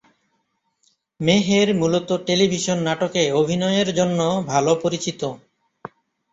মেহের মূলত টেলিভিশন নাটকে অভিনয়ের জন্য ভালো পরিচিত।